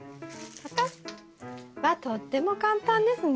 わっとっても簡単ですね。